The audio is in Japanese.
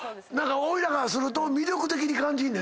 おいらからすると魅力的に感じんねんな。